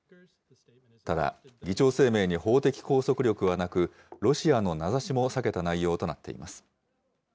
ただ、議長声明に法的拘束力はなく、ロシアの名指しも避けた内容となっています。